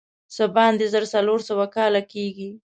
څه باندې زر څلور سوه کاله کېږي.